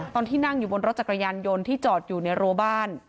ตอนที่นั่งอยู่บนรถจักรยานยนต์ที่จอดอยู่ในรัวบ้าน